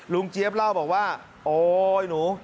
เจี๊ยบเล่าบอกว่าโอ๊ยหนู